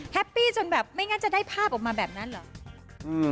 ปี้จนแบบไม่งั้นจะได้ภาพออกมาแบบนั้นเหรอ